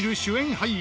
俳優